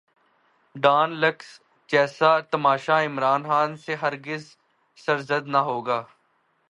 Dawn leaks جیسا تماشا عمران خان سے ہر گز سرزد نہ ہوگا۔